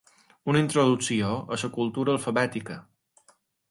Una introducció a la cultura alfabètica.